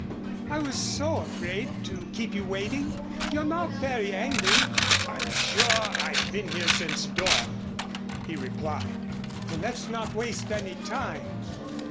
"I was so afraid to keep you waiting. You're not very angry?" "I'm sure I've been here since dawn," he replied. "Then let's not waste any time.